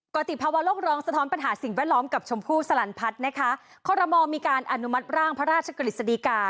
ติภาวะโลกร้องสะท้อนปัญหาสิ่งแวดล้อมกับชมพู่สลันพัฒน์นะคะคอรมอมีการอนุมัติร่างพระราชกฤษฎีกา